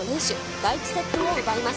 第１セットを奪います。